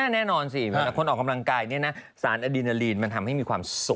แน่นอนสิเวลาคนออกกำลังกายเนี่ยนะสารอดีนาลีนมันทำให้มีความสุข